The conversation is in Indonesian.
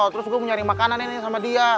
terus gue nyari makanan ini sama dia